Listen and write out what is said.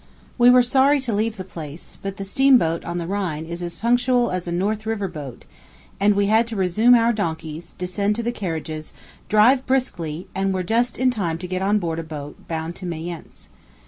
We were sorry to leave the place; but the steamboat on the Rhine is as punctual as a North River boat; and we had to resume our donkeys, descend to the carriages, drive briskly, and were just in time to get on board a boat bound to Mayence.